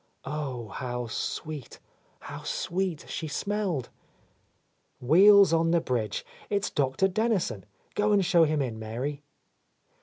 Oh, how sweet, how sweet she smelled! "Wheels on the bridge; it's Doctor Dennison. Go and show him in, Mary."